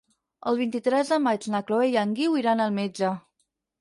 El vint-i-tres de maig na Chloé i en Guiu iran al metge.